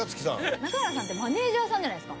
中原さんってマネジャーさんじゃないですか。